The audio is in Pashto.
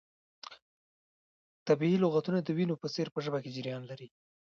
طبیعي لغتونه د وینو په څیر په ژبه کې جریان لري.